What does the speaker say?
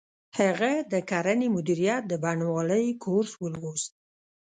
هغه د کرنې مدیریت د بڼوالۍ کورس ولوست